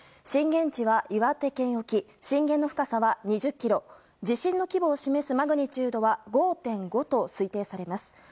震源地は岩手県沖震源の深さは２０ｋｍ地震の規模を示すマグニチュードは５．５と推定されます。